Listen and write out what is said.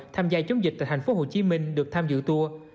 tham gia chống dịch tại thành phố hồ chí minh được tham dự tour